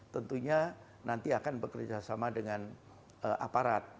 tentunya nanti akan bekerjasama dengan aparat